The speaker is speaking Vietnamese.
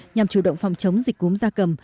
nhằm chủ động phòng chống dịch cúm gia cầm